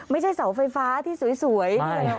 ไม่ใช่เสาไฟฟ้าที่สวย